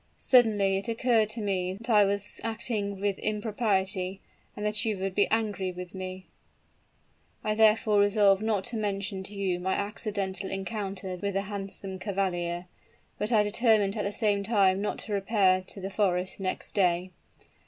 Suddenly it occurred to me that I was acting with impropriety, and that you would be angry with me. I therefore resolved not to mention to you my accidental encounter with the handsome cavalier; but I determined at the same time not to repair to the forest next day.